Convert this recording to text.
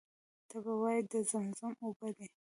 ته به وایې د زمزم اوبه دي.